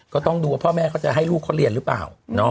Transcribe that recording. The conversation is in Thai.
ก็ต้องดูว่าพ่อแม่เขาจะให้ลูกเขาเรียนหรือเปล่า